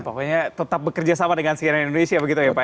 pokoknya tetap bekerja sama dengan cnn indonesia begitu ya pak